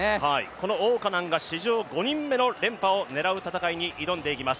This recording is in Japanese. この王嘉男が史上５人目を狙う戦いに挑んでいきます。